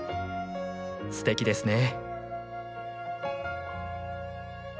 すてきですね。